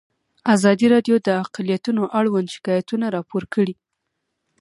ازادي راډیو د اقلیتونه اړوند شکایتونه راپور کړي.